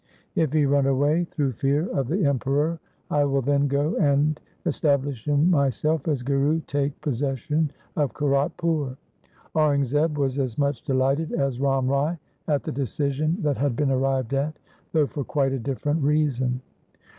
If he run away through fear of the Emperor, I will then go and, establishing myself as Guru, take possession of Kiratpur.' Aurangzeb was as much delighted as Ram Rai at the decision that had been arrived at, though for quite a different reason.